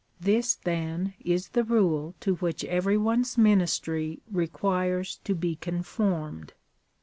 This, then, is the rule to which every one's ministry requires to be conformed.